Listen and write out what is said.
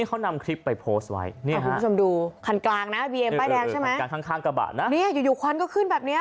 เขานำคลิปไปโพสต์ไว้